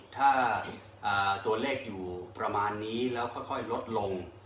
ถ้าตัวเลขอยู่ประมาณนี้แล้วค่อยลดลง